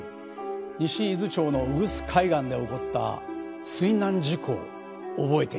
西伊豆町の宇久須海岸で起こった水難事故を覚えていますか？